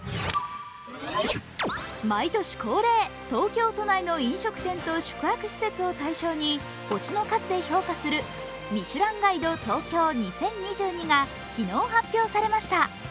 毎年恒例、東京都内の飲食店と宿泊施設を対象に星の数で評価する「ミシュランガイド東京２０２２」が昨日、発表されました。